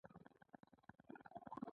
په تزاري روسیه کې هم پراخ پاڅونونه وشول.